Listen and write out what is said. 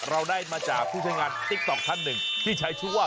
เราได้มาจากผู้ใช้งานติ๊กต๊อกท่านหนึ่งที่ใช้ชื่อว่า